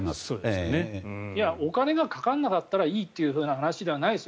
お金がかからなければいいという話ではないです。